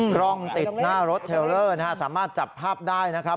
กล้องติดหน้ารถเทลเลอร์นะฮะสามารถจับภาพได้นะครับ